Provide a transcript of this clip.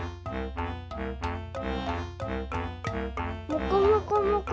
もこもこもこ。